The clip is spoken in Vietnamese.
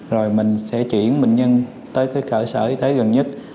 rồi mình sẽ chuyển bệnh nhân tới cái cơ sở y tế gần nhất